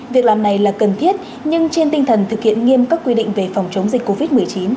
việc làm này là cần thiết nhưng trên tinh thần thực hiện nghiêm các quy định về phòng chống dịch covid một mươi chín